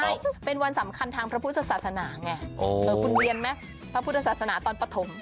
ใช่เป็นวันสำคัญทางพระพุทธศาสนาไงคุณเรียนไหมพระพุทธศาสนาตอนปฐม